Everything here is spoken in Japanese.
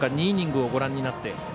２イニングをご覧になって。